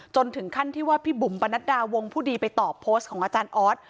จนถึงขั้นที่ว่าพี่บุ๋มปนัดดาวงผู้ดีไปตอบโพสต์ของอาจารย์ออส